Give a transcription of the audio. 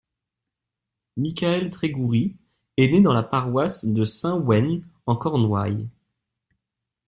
Michael Tregury est né dans la paroisse de Saint-Wenn en Cornouailles.